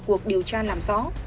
cuộc điều tra làm rõ